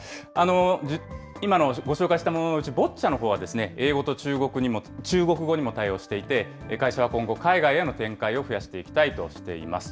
今のご紹介したもののうち、ボッチャのほうは、英語と中国語にも対応していて、会社は今後、海外への展開を増やしていきたいとしています。